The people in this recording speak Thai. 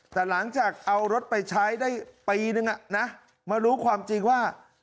แต่หลังจากเอารถไปใช้ได้ปีนึงมารู้ความจริงว่า